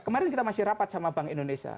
kemarin kita masih rapat sama bank indonesia